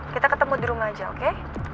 kita ketemu di rumah aja oke